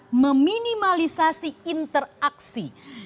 besar meminimalisasi interaksi